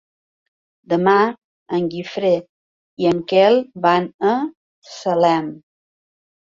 Demà en Guifré i en Quel van a Salem.